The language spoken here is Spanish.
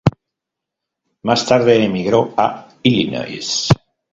Más tarde emigró a Illinois.